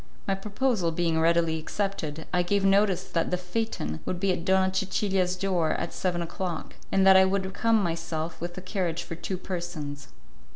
My proposal being readily accepted, I gave notice that the phaeton would be at Donna Cecilia's door at seven o'clock, and that I would come myself with a carriage for two persons.